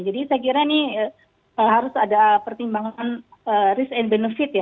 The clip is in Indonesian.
saya kira ini harus ada pertimbangan risk and benefit ya